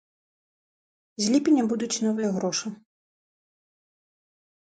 З ліпеня будуць новыя грошы.